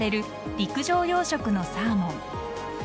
陸上養殖のサーモン。